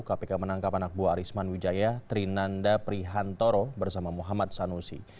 kpk menangkap anak buah arisman wijaya trinanda prihantoro bersama muhammad sanusi